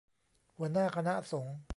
หัวหน้าคณะสงฆ์